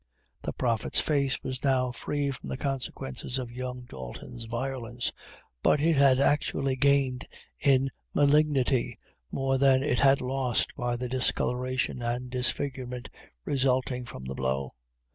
The Prophet's face was now free from the consequences of young Dalton's violence, but it had actually gained in malignity more than it had lost by the discoloration and disfigurement resulting from the blow.